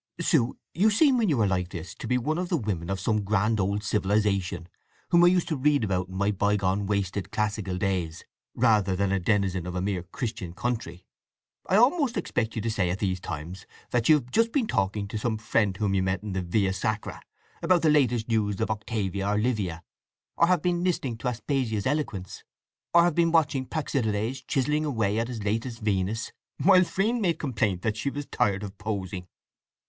"Sue, you seem when you are like this to be one of the women of some grand old civilization, whom I used to read about in my bygone, wasted, classical days, rather than a denizen of a mere Christian country. I almost expect you to say at these times that you have just been talking to some friend whom you met in the Via Sacra, about the latest news of Octavia or Livia; or have been listening to Aspasia's eloquence, or have been watching Praxiteles chiselling away at his latest Venus, while Phryne made complaint that she was tired of posing."